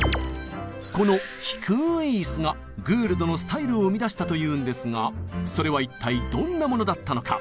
この「低い椅子」がグールドのスタイルを生み出したというんですがそれは一体どんなものだったのか？